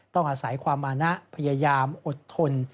ต้องอาศัยความมานะพยายามอดทน